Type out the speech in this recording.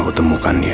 maukan aku temukan dia